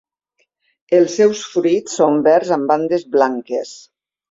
Els seus fruits són verds amb bandes blanques.